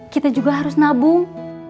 kita juga harus nabung